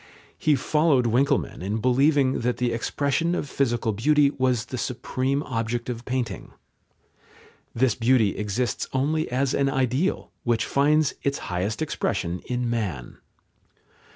He followed Winckelmann in believing that the expression of physical beauty was the supreme object of painting. This beauty exists only as an ideal, which finds its highest expression in man.